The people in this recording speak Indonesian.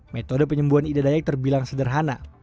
metode penyembuhan ida dayak terbilang sederhana